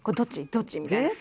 どっち？みたいな。